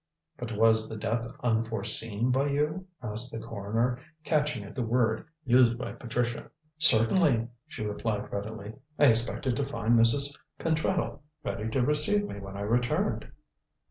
"But was the death unforeseen by you?" asked the coroner, catching at the word used by Patricia. "Certainly," she replied readily. "I expected to find Mrs. Pentreddle ready to receive me when I returned."